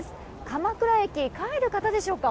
鎌倉駅、帰る方でしょうか。